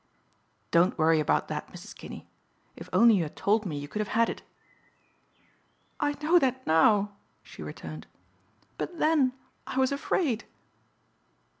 "Don't worry about that, Mrs. Kinney. If only you had told me you could have had it." "I know that now," she returned, "but then I was afraid."